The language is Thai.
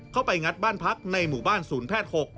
งัดบ้านพักในหมู่บ้านศูนย์แพทย์๖